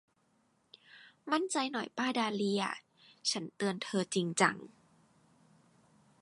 มั่นใจหน่อยป้าดาห์เลีย ฉันเตือนเธอจริงจัง